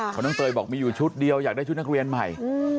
เพราะน้องเตยบอกมีอยู่ชุดเดียวอยากได้ชุดนักเรียนใหม่